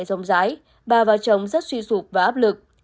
rồng rái bà và chồng rất suy sụp và áp lực